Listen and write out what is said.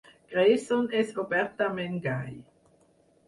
Greyson és obertament gai.